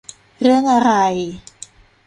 เรื่องอะไร